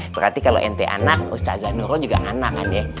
berarti kalau ente anak ustazah nurul juga anak kan ya